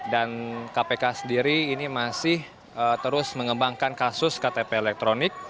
dan kpk sendiri ini masih terus mengembangkan kasus ktp elektronik